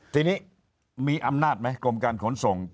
ทีนี้มีอำนาจไหมกรมการขนส่ง